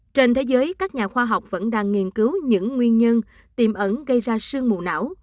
trên thế giới các nhà khoa học vẫn đang nghiên cứu những nguyên nhân tiềm ẩn gây ra sương mù não